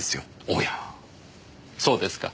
おやそうですか。